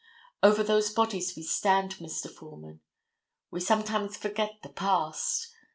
Over those bodies we stand, Mr. Foreman. We sometimes forget the past.